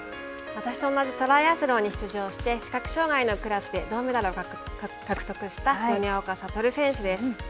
私と同じトライアスロンに出場して視覚障害のクラスで銅メダルを獲得した米岡聡選手です。